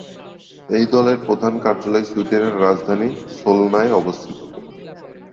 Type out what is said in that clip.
এই দলের প্রধান কার্যালয় সুইডেনের রাজধানী সোলনায় অবস্থিত।